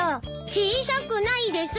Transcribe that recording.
小さくないです。